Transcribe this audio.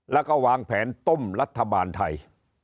แล้วก็วางแผนต้มรัฐบาลไทย